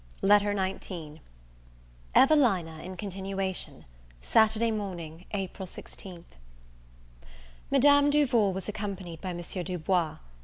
LETTER XIX EVELINA IN CONTINUATION Saturday Morning, April 16. MADAM DUVAL was accompanied by Monsieur Du Bois.